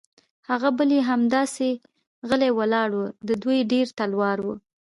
هغه بل یې همداسې غلی ولاړ و، د دوی ډېر تلوار و.